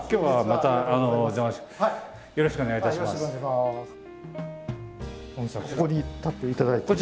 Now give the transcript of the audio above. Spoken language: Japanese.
はい。